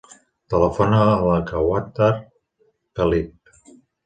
Telefona a la Kawtar Felip.